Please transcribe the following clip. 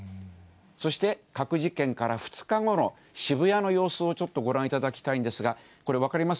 そして核実験から２日後の渋谷の様子をちょっとご覧いただきたいんですが、これ、分かります？